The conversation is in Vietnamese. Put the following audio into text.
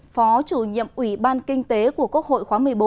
phó chủ nhiệm ủy ban kinh tế của quốc hội khóa một mươi bốn